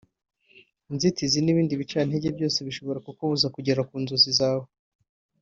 inzitizi n’ ibindi bicantege byose bishobora kukubuza kugera ku nzozi zawe